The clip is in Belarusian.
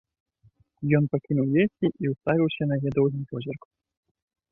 Ён пакінуў есці і ўставіўся на яе доўгім позіркам.